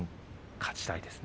勝ちたいですね。